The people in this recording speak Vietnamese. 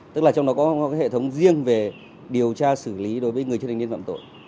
tức là trong đó có hệ thống riêng về điều tra xử lý đối với người chưa thành niên phạm tội